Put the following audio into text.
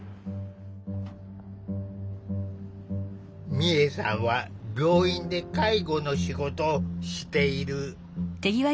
美恵さんは病院で介護の仕事をしている。